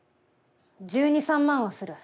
１２３万はする。